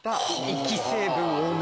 息成分多め。